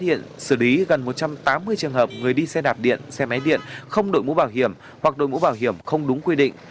cha kiểm soát trên địa bàn đã phát hiện xử lý gần một trăm tám mươi trường hợp người đi xe đạp điện xe máy điện không đội mũ bảo hiểm hoặc đội mũ bảo hiểm không đúng quy định